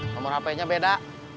nomor hpnya beda